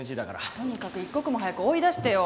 とにかく一刻も早く追い出してよ。